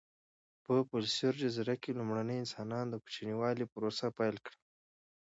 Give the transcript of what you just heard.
په فلورس جزیره کې لومړنیو انسانانو د کوچنیوالي پروسه پیل کړه.